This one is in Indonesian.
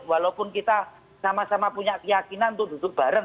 walaupun kita sama sama punya keyakinan untuk duduk bareng